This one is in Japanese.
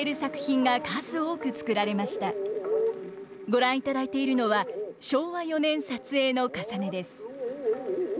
ご覧いただいているのは昭和４年撮影の「かさね」です。